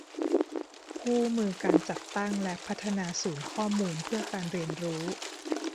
คู่มือการจัดตั้งและพัฒนาศูนย์ข้อมูลเพื่อการเรียนรู้